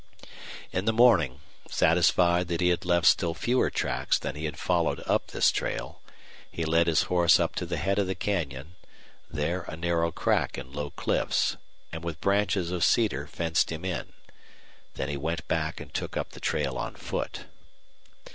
In the morning, satisfied that he had left still fewer tracks than he had followed up this trail, he led his horse up to the head of the canyon, there a narrow crack in low cliffs, and with branches of cedar fenced him in. Then he went back and took up the trail on foot.